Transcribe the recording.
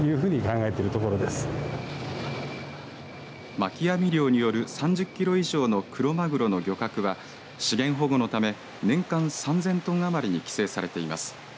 巻き網漁による３０キロ以上のクロマグロの漁獲は資源保護のため年間３０００トン余りに規制されています。